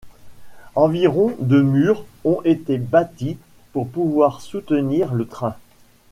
Environ de murs ont été bâtis pour pouvoir soutenir le train.